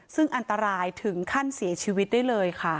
ซึ่งอันตรายถึงขั้นเสียชีวิตได้เลยค่ะ